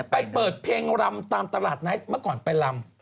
ไปเปิดเพลงรำตามตลาดนัดเมื่อก่อนไปรำ